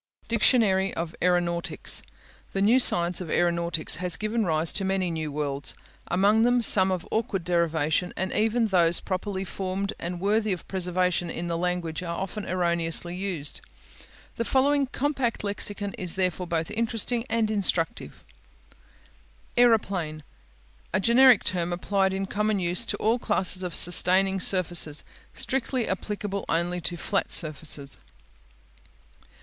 DICTIONARY OF AERONAUTICS The new science of aeronautics has given rise to many new words, among them some of awkward derivation, and even those properly formed and worthy of preservation in the language are often erroneously used. The following compact lexicon is therefore both interesting and instructive: Aeroplane A generic term applied in common use to all classes of sustaining surfaces; strictly applicable only to flat surfaces.